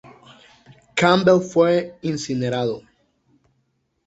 Campbell fue incinerado.